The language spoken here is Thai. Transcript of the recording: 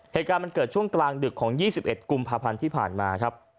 เหตุการณ์มันเกิดช่วงกลางดึกของ๒๑กุมภาพันธ์ที่ผ่านมาครับ